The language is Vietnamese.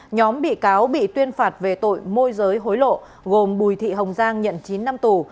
nhóm bị cáo bị tuyên phạt về tội môi giới hối lộ gồm bùi thị hồng giang nhận chín năm tù